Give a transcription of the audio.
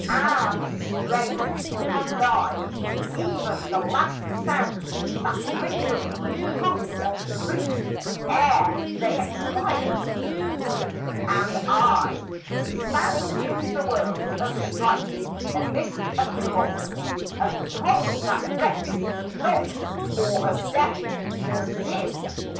Ah, the strain Has died ev'n the last sounds that lingeringly Hung on the roof ere they expired! And I, Stand in the world of strife, amidst a throng, A throng that recks not or of death, or sin!